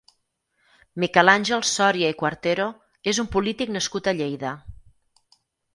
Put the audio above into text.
Miquel Àngel Sòria i Cuartero és un polític nascut a Lleida.